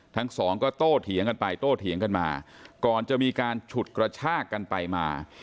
ทั้งสองก็โตเถียงกันไปโต้เถียงกันมาก่อนจะมีการฉุดกระชากกันไปมา